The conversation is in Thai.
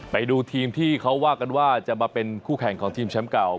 ไปดูทีมที่เขาว่ากันว่าจะมาเป็นคู่แข่งของทีมแชมป์เก่า